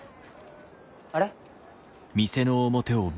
あれ？